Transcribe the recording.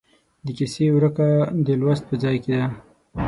د کیسې ورکه د لوست په ځای کې ده.